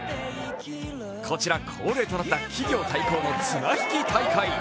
こちら恒例となった企業対抗の綱引き大会。